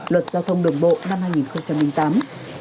luật giao thông đường bộ năm hai nghìn tám